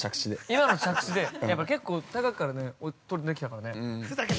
◆今の着地で、やっぱり結構高くから飛んで来たからね。